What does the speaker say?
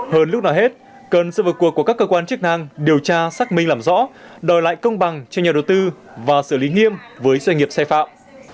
hơn lúc nào hết cần sự vượt cuộc của các cơ quan chức năng điều tra xác minh làm rõ đòi lại công bằng cho nhà đầu tư và xử lý nghiêm với doanh nghiệp sai phạm